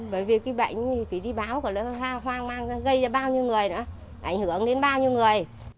bởi vì cái bệnh thì phải đi báo còn nó hoang mang ra gây ra bao nhiêu người nữa ảnh hưởng đến bao nhiêu người